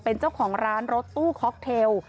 เป็นเจ้าของร้านรถตู้ค็อกเทล